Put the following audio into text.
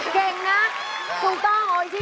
โปรดติดตามต่อไป